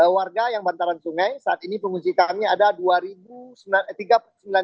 warga yang bantaran sungai saat ini pengunci kami ada dua